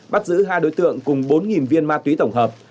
bắt giữ hai đối tượng cùng bốn viên ma túy tổng hợp